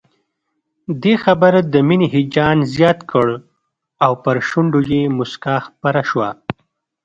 دې خبر د مينې هيجان زيات کړ او پر شونډو يې مسکا خپره شوه